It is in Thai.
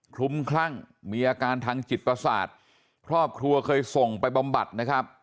ลุ้มคลั่งมีอาการทางจิตประสาทครอบครัวเคยส่งไปบำบัดนะครับ